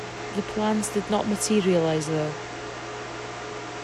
The plans did not materialize, though.